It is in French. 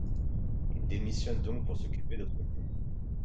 Il démissionne donc pour s’occuper d’autre-chose.